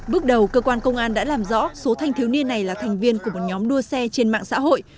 bước đầu cơ quan công an đã làm rõ số thanh thiếu niên này là thành viên của một nhóm đua xe trên mạng xã hội